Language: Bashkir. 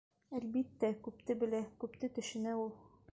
Әлбиттә, күпте белә, күпте төшөнә ул...